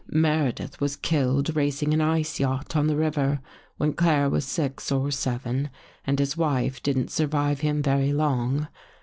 " Meredith was killed racing an Ice yacht on the river, when Claire was six or seven, and his wife didn't survive him very long.